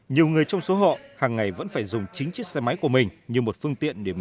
nhiều người trong số họ hằng ngày vẫn phải dùng chính chiếc xe máy của mình như một phương tiện để mưu sinh